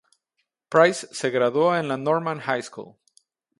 Price se graduó en la Norman High School.